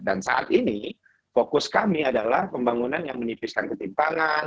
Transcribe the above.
dan saat ini fokus kami adalah pembangunan yang menipiskan ketimpangan